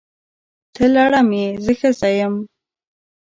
ته لړم یې! زه ښځه یم.